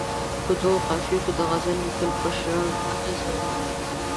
په دوو قافیو کې د غزل لیکل پر شرنګ اغېز نه لري.